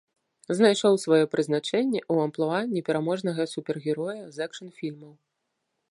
Знайшоў сваё прызначэнне ў амплуа непераможнага супергероя з экшн-фільмаў.